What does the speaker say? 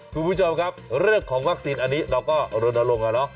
คุณผู้ชมครับเรื่องของวัคซีนอันนี้เราก็รณรงค์